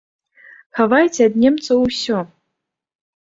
Хавайце ад немцаў усё!